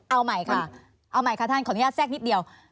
เอาใหม่ค่ะเอาใหม่ค่ะท่านขออนุญาตแทรกนิดเดียว